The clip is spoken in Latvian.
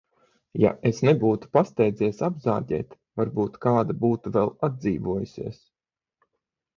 Ja es nebūtu pasteidzies apzāģēt, varbūt kāda būtu vēl atdzīvojusēs.